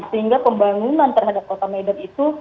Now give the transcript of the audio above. sehingga pembangunan terhadap kota medan itu